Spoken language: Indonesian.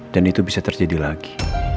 dan itu bisa terjadi lagi